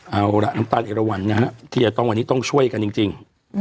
เอาละน้ำตาลเอรวร์นะครับที่เราต้องช่วยกันจริง